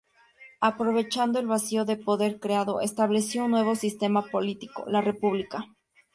Aprovechando el vacío de poder creado, estableció un nuevo sistema político: la República.